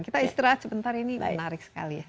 kita istirahat sebentar ini menarik sekali ya